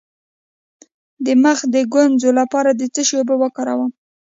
د مخ د ګونځو لپاره د څه شي اوبه وکاروم؟